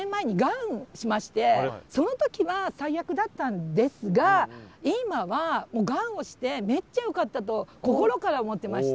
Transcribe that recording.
実はその時は最悪だったんですが今はがんをしてめっちゃよかったと心から思ってまして。